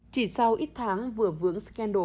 chỉ sau ít tháng vừa vướng scandal